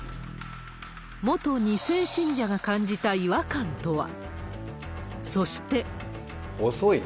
元２世信者が感じた違和感とは。